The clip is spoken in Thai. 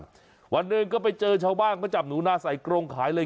วันเดือนเข้าราชการวันเดือนก็ไปเจอชาวบ้านก็จับหนูนาใส่กรงขายเลย